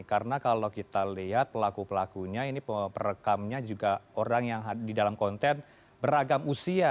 karena kalau kita lihat pelaku pelakunya ini perekamnya juga orang yang di dalam konten beragam usia